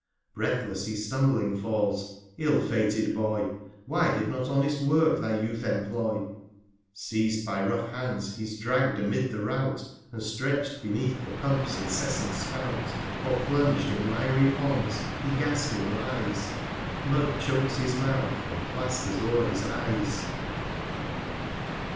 70 f Breathless he stumbling falls: Ill fated Boy! I Why did not honest Work thy Youth employ ? Seiz'd by rough Hands, he's dragg'd amid the Rout, And stretch'd beneath the Pump's incessant Spout : RiriA (^Or plung'd in miry Ponds, he gasping lies, 75 \ Mud choaks his Mouth, and plaisters o'er his Eyes.